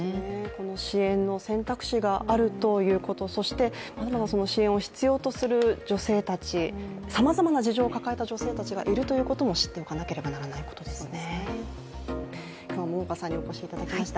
この支援の選択肢があるということ、そして支援を必要とする女性たち、さまざまな事情を抱えた女性たちがいるということも知っておかなければならないことですね。